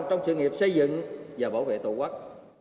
trong sự nghiệp xây dựng và bảo vệ tổ quốc